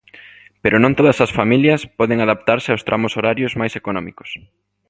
Pero non todas as familias poden adaptarse aos tramos horarios máis económicos.